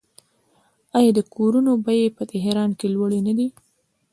آیا د کورونو بیې په تهران کې لوړې نه دي؟